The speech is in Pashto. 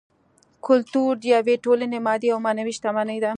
کولتور د یوې ټولنې مادي او معنوي شتمني ده